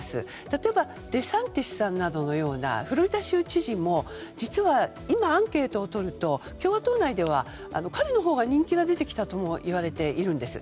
例えばデサンティスさんのようなフロリダ州知事も今、アンケートをとると共和党内では彼のほうが人気が出てきたともいわれているんです。